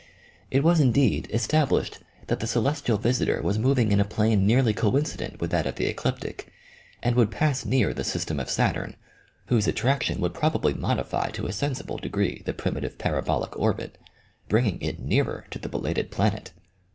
It was, indeed, estab lished that the celestial visitor was moving in a plane nearly coincident with that of the ecliptic, and would pass near the system of Saturn, whose attraction would prob ably modify to a sensible degree the primitive parabolic orbit, bringing it nearer to the belated planet.